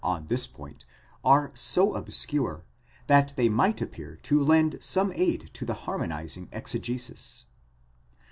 847 on this point are so obscure, that they might appear to lend some aid to the harmonizing exegesis.